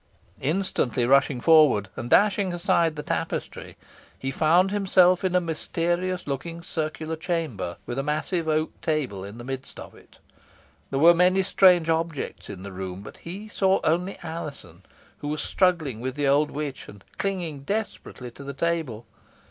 Instantly rushing forward and dashing aside the tapestry, he found himself in a mysterious looking circular chamber, with a massive oak table in the midst of it. There were many strange objects in the room, but he saw only Alizon, who was struggling with the old witch, and clinging desperately to the table.